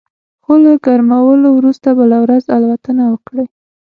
خو له ګرمولو وروسته بله ورځ الوتنه وکړه